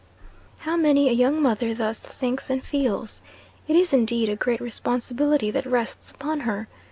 How many a young mother thus thinks and feels. It is indeed a great responsibility that rests upon her.